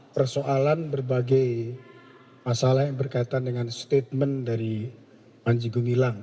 persoalan berbagai masalah yang berkaitan dengan statement dari panji gumilang